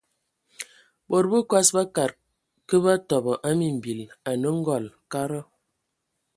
Bod bəkɔs bakad kə batɔbɔ a mimbil anə:ngɔl, kada.